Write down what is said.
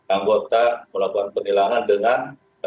anggota melakukan penilangan dengan